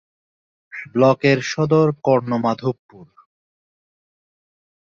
ব্লকের সদর কর্ণমাধবপুর।